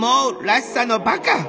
「らしさ」のバカ！